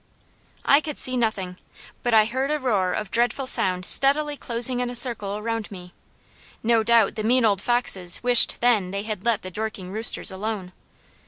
I could see nothing, but I heard a roar of dreadful sound steadily closing in a circle around me. No doubt the mean old foxes wished then they had let the Dorking roosters alone.